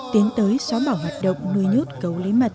tiến tới xóa bảo hoạt động nuôi nhốt gấu lấy mật